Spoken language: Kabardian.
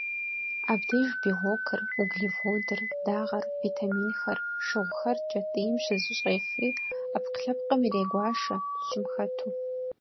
Абдеж белокыр, углеводыр, дагъэр, витаминхэр, шыгъухэр кӏэтӏийм щызэщӏефри, ӏэпкълъэпкъым ирегуашэ, лъым хэту.